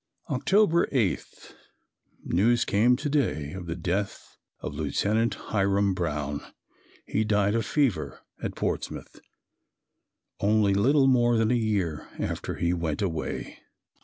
October 8. News came to day of the death of Lieutenant Hiram Brown. He died of fever at Portsmouth, only little more than a year after he went away.